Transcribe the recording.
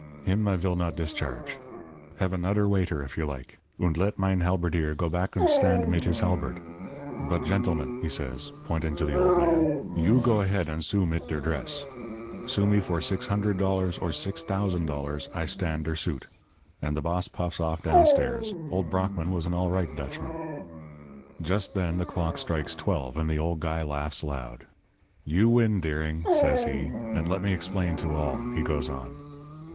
Him I vill not discharge. Have anoder waiter if you like, und let mein halberdier go back und stand mit his halberd. But, gentlemen,' he says, pointing to the old man, 'you go ahead and sue mit der dress. Sue me for $600 or $6,000. I stand der suit.' And the boss puffs off down stairs. Old Brockmann was an all right Dutchman. "Just then the clock strikes twelve, and the old guy laughs loud. 'You win, Deering,' says he. 'And let me explain to all,' he goes on.